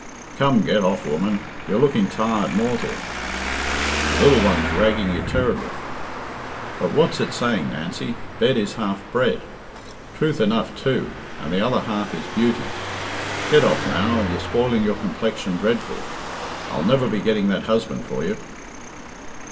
"Come, get off, woman; you're looking tired mortal. The lil one's ragging you ter'ble. But what's it saying, Nancy bed is half bread. Truth enough, too, and the other half is beauty. Get off, now. You're spoiling your complexion dreadful I'll never be getting that husband for you."